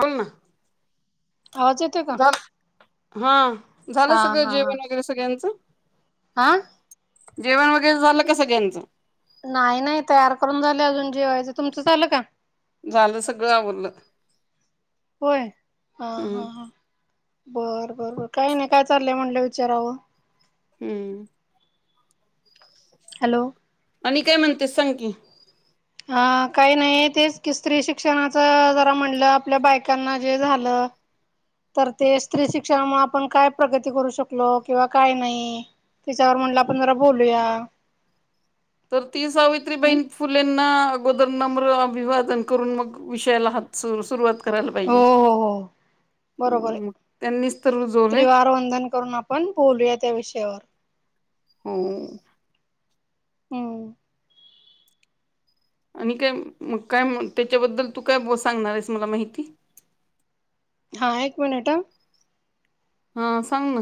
बोल ना. आवाज येते का झालं हा झालं सगळं जेवण वगैरे सगळ्यांचं. आह. जेवण वगैरे झालं कसं त्यांचं नाही नाही तयार करून झाले अजून जेवा्हाय ते तुमचं झालं का झालं सगळं आवरलं होय हा हम्म हा हा बरं बरं बर काही नाही काय चाललंय म्हंटलं विचारावं हम्म. हॅलो. आणि काय म्हणतेस सांग की. अ काही नाही तेच की स्त्री शिक्षणाच जरा म्हणलं आपल्या बायकांना जे झालं. ह. तर ते स्त्री शिक्षणामुळे आपण काय प्रगती करू शकलो किंवा काय नाही. त्याच्यावर म्हटलं आपण जरा बोलूया तर ती हम्म. सावित्रीबाहिन फुलेंना अगोदर नम्र अभिवादन करून मग विषयाला हात सुरुवात करायला हो पाहिजे. हो [unintelligible] बरोबर आहे हम्म त्यांनीच तर रुजवलंय त्रिवार वंदन करून आपण बोलूया त्या विषयावर. होम हम्म. आणि काय मग काय त्याच्याबद्दल तू काय सांगणार आहेस मला माहिती हा एक मिनिट ह. हा सांग ना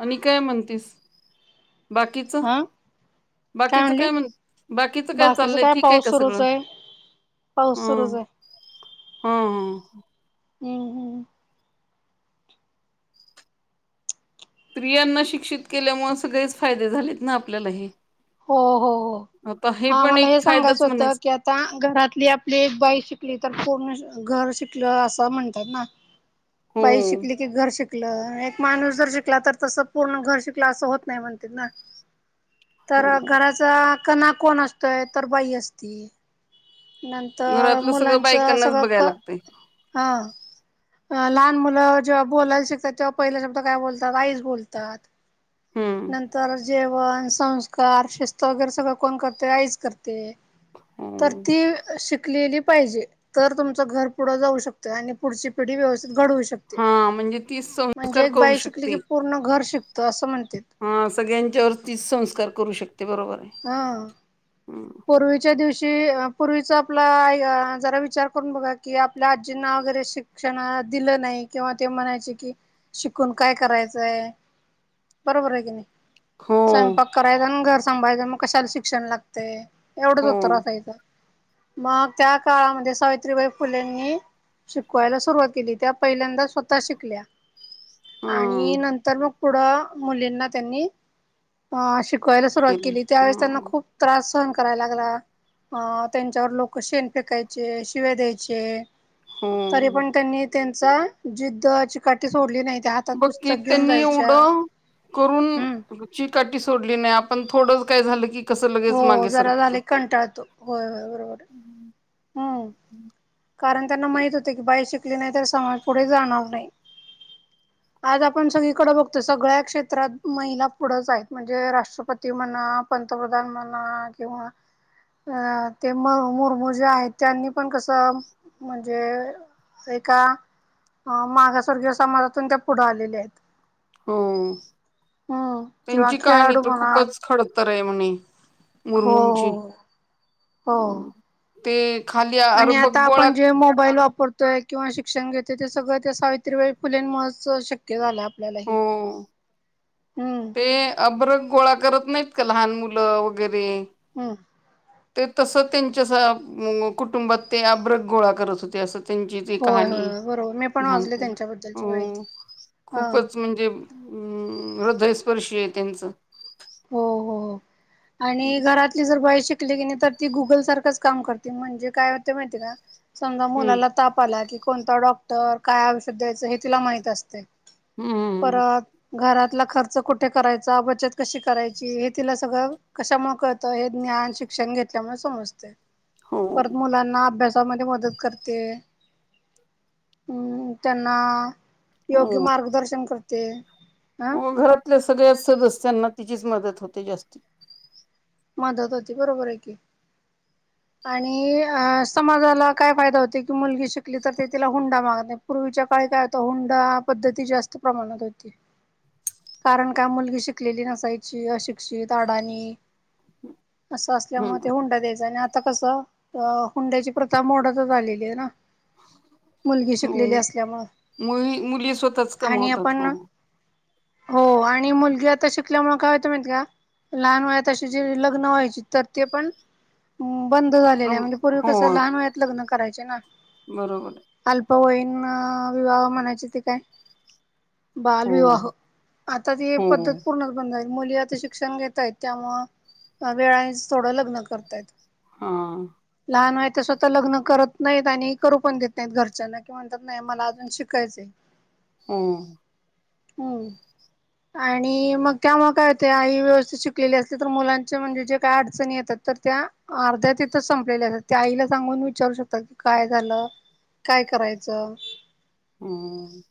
आणि काय म्हणतीस बाकीच हा बाकीचं काय म्हण बाकीचं काय बाकीच चाललंय ठीक आहे पाऊस का सुरूच सगळं आहे पाऊस हा सुरू झाला आहे. हा हा. हम्म हम्म. स्त्रियांना शिक्षित केल्यामुळे सगळेच फायदे झालेत ना आपल्यालाही हो हो हो. हा पण मला एक हे फायदाच सांगायचं होतं म्हणायच की आता घरातली आपली एक बाई शिकली तर पूर्ण. घर शिकल असं म्हणतात ना हो बाई शिकली की घर शिक. शिकलं एक माणूस जर शिकला तर तस पूर्ण घर शिकला असं होत नाही म्हणत ना. तर हो घराचा कणा कोण असतोय तर बाई असती. नंतर घरातलं सगळं मुलांचं बायकांनाच सगळं बघायला क लागतय हा. अ लहान मुलं जेव्हा बोलायला शिकतात तेव्हा पहिले शब्द काय बोलतात आईच बोलतात. हम्म नंतर जेवण संस्कार शिस्त वगैरे सगळं कोण करते आईज करते तर हो ती श ली पाहिजे तर तुमचं घर पुढे जाऊ शकतय आणि पुढची पिढी व्यवस्थ घडवू शकते हा म्हणजे तीच म्हणजे संस्कार एक करू बाई शिकली शकते की पूर्ण घर शिकत असं म्हणते. हा सगळ्यांच्यावरतीीच संस्कार करू शकते बरोबर आहे. हा. हम्म. पूर्वीच्या दिवशी पूर्वीच आपला जरा विचार करून बघा की आपल्या आजींना वगैरे शिक्षण दिलं नाही किंवा ते म्हणायचे कि शिकून काय करायचंय बरोबर आहे की नाही हो स्वयंपाक करायचा आणि घर सांभायचं मग कशाला शिक्षण लागतय एवढंच हो उत्तर असायचं मग त्या काळामध्ये सावित्रीबाई फुलेंनी शिकवायला सुरुवात केली त्या पहिल्यांदा स्वतः शिकल्या हा आणि नंतर मग पुढं मुलींना त्यांनी अ शिक क्हायला सुरुवात केली हा त्यावेळेस त्यांना खूप त्रास सहन करायला लागला अ त्यांच्यावर लोक शेण फेकायचे शिवे द्यायचे तरी हो पण त्यांनी त्यांचा जिद्द चिकाटी सोडली नाही त्या हातात बकी पुस्तक घेऊन त्यांनी जायच्या. एवढं करून हम्म शिका सोडली नाही आपण थोडं काय झालं की कसं हो लगेच मागे जरा सरकतो झाले कंटाळतो होय होय बरोबर हम्म. कारण त्यांना माहित होते की बाहे शिकली नाही तर समाज पुुढे जाणार नाही आज आपण सगळीकडे बघतो सगळ्या क्षेत्रात महिला पुढंच आहेत म्हणजे राष्ट्रपती म्हणा पंतप्रधान म्हणा किव्हा अ ते मुर्मू जे आहेत त्यांनी पण कसं म्हणजे एका अ मागासवर्गीय समाजातून त्या पुढे आलेल्या आहेत हो हम्म किंवा त्यांची कहाणी खेळाडू तर म्हणा खूपच खडत तर आहे म्हणे हो मुर्मूंची हो हो ते खाली आणि अर्भक आता गोळा आपण जे मोबाईल वापरतोय किंवा शिक्षण घेत ते ते सगळं त्या सावित्री वळी फुले महच शक्य झालं आप हो हम्म ते अब्रक गोळा करत नाही. लहान मुलं वगैरे [inaudible] ते तस त्यांच्या कुटुंबात ते आब्रक गोळा करत होते अस. त्यांची ती होय, कहाणी होय, बरोबर मी पण वाचले त्यांच्याबद्दलची माहिती. [unintelligible] हा, खूपच म्हणजे अम हृदयस्पर्शी आहे त्यांचं हो हो आणि घरातली जर बाई शिक शली की नाही तर ती गुगल सारखंच काम करते म्हणजे काय होते माहिती का समजा हम्म मुलाला ताप आला की कोणता डॉक्टर काय औषध द्यायचं हे तिला माहित असतय. हम्म परत घरातला खर्च कुठे करायचा बचत कशी करायची हे तिला सगळं कशामुळे कळतं हे ज्ञान शिक्षण घेतल्यामुळे समजते. हो परत मुलांना अभ्यास स्वतः म मदत करते हम्म त्यांना योग्य मार्गदर्शन करते अं मग घरातल्या सगळ्या सदस्यांना तिचीच मदत होते जास्ती माधत होती बरोबर आहे की आणि अ समाजाला काय फायदा होते की मुलगी शिकली तर ते तिला हुंडा माग नाही पूर्वी च्या काळी काय होत हुंडा पद्धती जास्त प्रमाणात होती कारण का मुलगी शिकलेली नसायची अशिक्षित अडाणी असं असल्यामुळे ते हुंडा द्यायचा आणि आता कसं हुंड्याची प्रथा मोडतच आलेली आहे ना [inaudible] मुलगी शिकलेली हम्म असल्यामु मुली मुली स्वतःच आणि कमवतात आपण हो हो आणि मुलगी आता शिकल्यामुळे काय होत माित का? लहान वयाशी जे लग्न व्हायचे तर ते पण अम बंद झालेल्या पण म्हणजे पूर्वी कस होय लहान वयात लग्न करायचे ना? बरोबर अल्पवय विवाह म्हणायचे ते काय हो बालविवाह. आता ती हो पद्धत पूर्ण बंद. मुली आता शिक्षण घेतयत त्यामु वेळा थोडं लग्न करतायत. हा. लहान मा ते स्वतः लग्न करत नाहीत आणि करू पण देत नाहीत घरच्यांना कि म्हणतात नाही मला अजून शिकायचंय. हम्. हम. आणि मग त्यामुळे काय होते ह व्यवस्थित शिकलेली असते तर मुलांचे म्हणजे जे काय अडचणी येतात तर त्या. अर्ध्या तिथच संपलेल्या असतात ते आईला सांगून विचारू शकतात की काय झालं. काय करायचं. हम.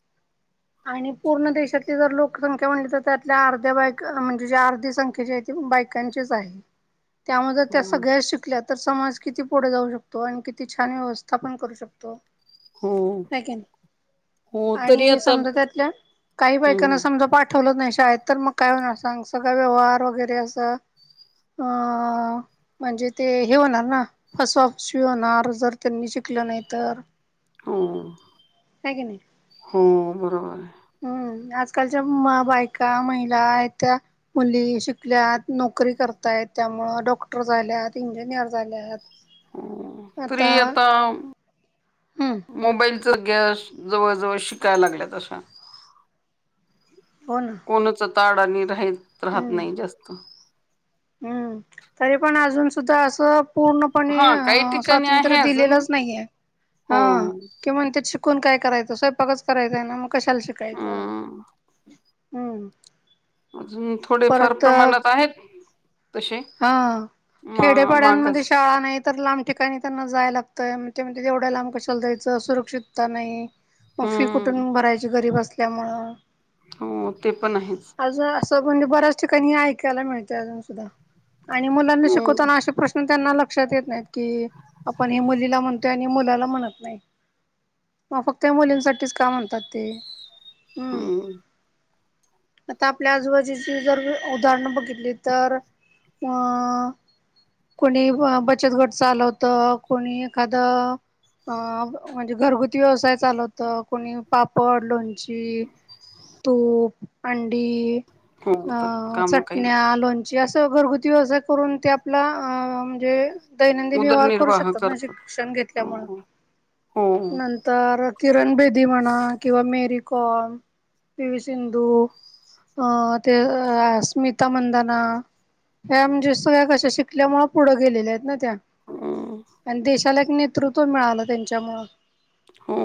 आणि पूर्ण देशातली जर लोकसंख्या म्हणली तर त्यातल्या अर्ध्या बायक म्हणजे जे अर्धी संख्या जी बायकांचेच आहे त्यामुळे त्या हो सगळ्या शिकल्यात. तर समाज किती पुढे जाऊ शकतो आणि किती छान व्यवस्था पण करू शकतो. हो नाही हो तरी आणि आता समजा. त्यातल्या काही बायकांना हम्म समजा पाठवलच नाही शिका शाय तर मग काय होणार सांग स का व्यवहार वगैरे असं. अ म्हणजे ते हे होणार ना फसवा फसवी होणार जर त्यांनी शिक शकलं नाही तर? हो हाय की नाही. हो बरोबर आहे. हम्म आजकालच्या बायका महिला त्या्या मुली शिकल्यात नोकरी. करताय त्यामु डॉक्टर झाल्या इंजिनियर झाल्यात. तरी आता हम्म मोबाईल तर गॅस जवळ जवळ शिकायला लागल्या तं. पन. ताड आणि राहत राहत नाही जास्त. हम्म तरी पण अजून सुद्धा असं. पूर्णपणे हा काही अ ठिकाणी स्वातंत्र्य आहे अजून दिलेलंच नाहीये. हा हो कि म्हण त्या शिकून काय? करायचं स्वयंपाकच करायचं आहे ना मग कशाला अ शिकायचं हम्म. थोडे फार परत प्रमाणात आहेत. तसे हा मा खेडेपाड्यांमध्ये मागास शाळा नाही तर लांब. ठिकाणी त्यांना जाय लागतंय तेवढ्या लांब कशल दयचं सुरक्षितता नाही. मग फी हम्म कुठून भरायची गरीब असल्यामुळ. हो ते पण आहेच. ब्याच ठिकाणी ऐकायला मिळते अजून सुधा आणि मुलांना हम्म शिकवताना प्रश्न. त्यांना लक्षात येत नाहीत की आपण हे मुलीला म्हणतोय आणि मुलाला म्हणत नाही. मग फक्त मुलींसाठीच का म्हणतात ते. हम्म. आता आपल्या आजूबाजूची जर उदाहरण बघितली तर? ह. कोणी बचत गट चालवतं कोणी एखादं अ म्हणजे घरगुती व्यवसाय चालव होत कोणी पापड लोणची. तूप अंडी हो अ तर काम काही ना चटण्या काही लोणची अस. घरगुती वज करून ते आपला म्हणजे? दैनंदिन व्यवहार करू उदरनिर्वाह शकतात ना करतात शिक्षण घेतल्यामुळे. हो हो नंतर किरण बेदी म्हणा किंवा मेरी कॉम पी वी सिंधु अं ते अस्मिता मंदना त्या म्हणजे सगळ्या कशा शिकल्यामु पुढं गेलेल्या आहेत ना त्या हम्म आणि देशाला नेतृत्व मिळालं त्यांच्यामुंळ हा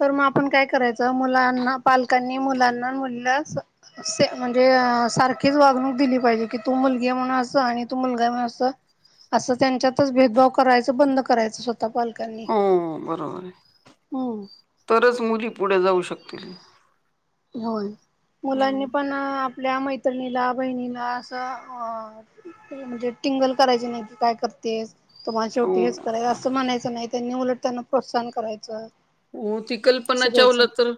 तर मग आपण काय करायचं मुलांना पालकांनी मुलांना मुलीला [unintelligible] म्हणजे अ सारखीच वागणूक दिली पाहिजे की तू मुलगी म्हणून अस आणि तू मुलगा म्हणून अस असं त्यांच्यातच भेदभाव करायचं बंद करायचं पालकांनी हो बरोबर आहे हम्म तरच मुली पुढे जाऊ शकतील होय मुलांनी हम्म, पणअप ल्या मैत्रणीला बहिणीला असं अ म्हणजे टिंगल करायची नाही की काय करतेस तुम्हाला हो शेवटी हेच करायचं असं म्हणायचं नाही त्यांनी उलट त्यांना प्रोत्साहन करायचं हो, ती 'कल्पना असं द्यायचं. चावला 'तर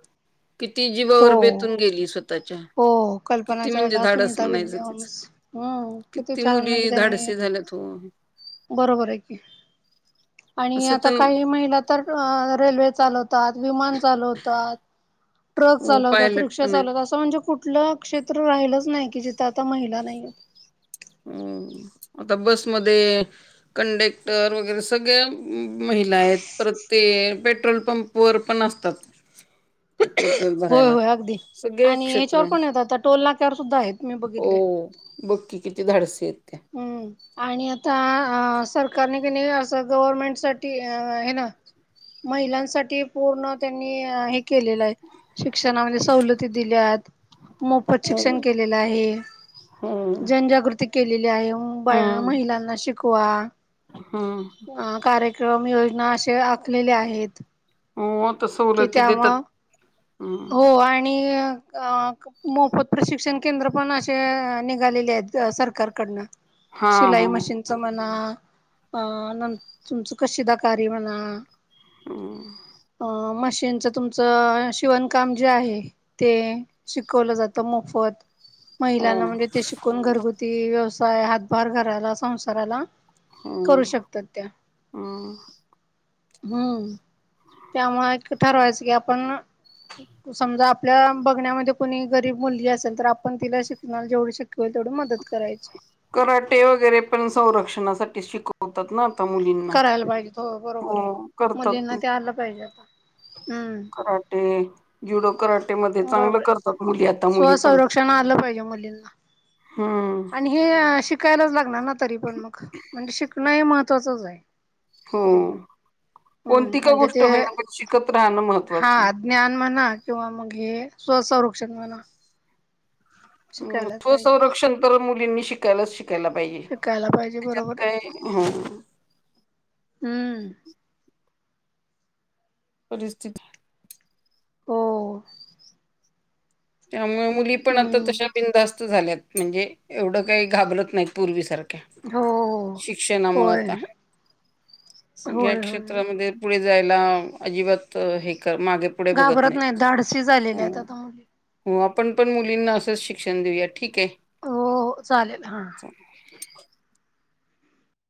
किती जीवावर हो. बेतून गेली स्वतः त्याच्या, हो कल्पना किती म्हणजे चावला, धाडस सुनीता म्हणायचं तिच! विल्यम्स हम्म किती छान म्हणजे मुली धाडस त्यांनी ते झालंच हो. बरोबर आहे की आणि असं आता तर काही महिला तर रेल्वेत चालवतात, विमान चालवतात, ट्रक हो चालवतात पायलट रिक्शा पण आहेत चालवतात, असं म्हणजे कुठलं क्षेत्र राहिलच नाही. कि जिथे आता महिला नाही. ह आता बसमध्ये कंडेक्टर वगैरे सगळ्या. महिला आहेत परत ते पेट्रोल पंप वर पण असतात ते पेट्रोल होय भरायला होय अगदी सगळे आणि क्षेत्र ह्याच्यावर पण येत आता टोल नाक्यावर सुद्धा आहेत मी हो बघितले. बक्की कितीदा हम्म आणि आता ह सरकारने की नाही असं गव्हर्मेंट साठी हे ना महिलांसाठी पूर्ण त्यांनी हे केलेलं आहे शिक्षणामध्ये सवलती दिल्या आहेत मोफत हो शिक्षण केलेलं आहे हो. जनजागृती केलेली आहे हम्म महिलांना शिकवा हम्म कार्यक्रम योजना ना असे आखलेले आहेत. हो आता की सवलती देतात. त्यामुळं हम्म. हो आणि अ मोफत प्रशिक्षण केंद्र पण असे निघालेले आहेत अ सरकारकडनं. हा शिलाई हा मशीनच म्हणा अ नत तुमच कशीदाकारी म्हणा हम्म. अ मशी त्यांच तुमचं शिवणकाम जे आहे, ते शिकवलं जातं मोफत. हो महिलांना म्हणजे ते शिकून घरगुती व्यवसाय हातभार घराला संसाराला करू हम्म शकतात त्या हम्म. हम्म त्यामुळे एक ठरवायचं की आपण समजा आपल्या बघण्यामध्ये कोणी गरीब मुलली असेल तर आपण तिला शिकणार जेवढी शिक कराटे वगैरे पण संरक्षणासाठी शिकवतात ना मुलींना करायला पाहिजे बरोबर आहे हो करतात मुलींना ते आलं पाहिजे आता हम्म कराटे जुडो करराटे मध्ये चांगलं बरोबर आहे करतात मुली आता मुली पण स्वसंरक्षण आलं पाहिजे मुलींना हम्म आणि हे शिकायलाच लागणार ना तरी पण मग म्हणजे शिकणं हे महत्त्वाचंच आहे हो स्त्रीला हम्म कोणती का म्हणजे गोष्ट ते होईना मग शिकत राहणं हा महत्त्वाचं आहे ज्ञान म्हणा किंवा मग हे स्व संरक्षण म्हणा शिकायलाच पाहिजे स्वसंरक्षण तर मुलींनी शिकायलाच शिकायला पाहिजे शिकायला ह्यांच्यात काय ह परिस्थिती हो त्यामुळे मुली पण आता हम्म तशा बिंदास असत झाल्यात म्हणजे एवढं काही घाबरत नाही पूर्वीसारखं हो हो शिक्षणा होय मुळात सगळ्या होय होय होय क्षेत्रामध्ये पुढे जायला अजिबात हे मागे पुढे बघत घाबरत नाही धाडसी झालेल्या हो आहेत आता मुली हो आपण पण मुलींना असंच शिक्षण देऊया ठीक हो चालेल हां आहे [inaudible]